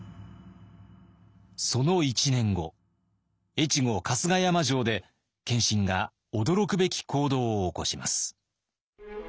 越後春日山城で謙信が驚くべき行動を起こします。